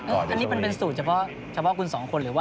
อันนี้เป็นสูตรเฉพาะคุณสองคน